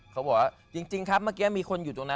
เขาบอกว่าจริงครับเมื่อกี้มีคนอยู่ตรงนั้น